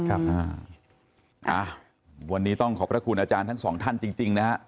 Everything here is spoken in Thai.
ครับอ่าวันนี้ต้องขอบพระคุณอาจารย์ทั้งสองท่านจริงนะฮะ